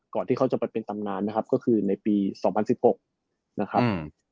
ที่เขาจะไปเป็นตำนานนะครับก็คือในปี๒๐๑๖นะครับ